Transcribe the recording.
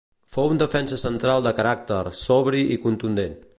Fou un defensa central de caràcter, sobri i contundent.